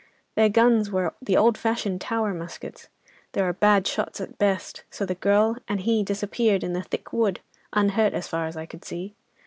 Their guns were the old fashioned tower muskets; they were bad shots at best—so the girl and he disappeared in the thick wood, unhurt as far as I could see.